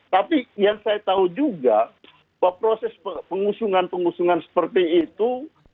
tapi yang saya tahu juga bahwa proses pengusungan pengusungan seperti itu